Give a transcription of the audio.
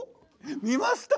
見ました。